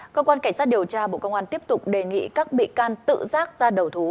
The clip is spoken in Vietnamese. cơ quan cảnh sát điều tra bộ công an tiếp tục đề nghị các bị can tự rác ra đầu thú